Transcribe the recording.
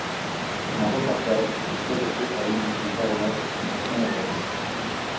Un reportage fut présenté à l'émission Baromètre sur Canal Vox.